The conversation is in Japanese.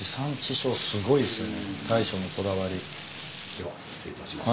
では失礼いたします。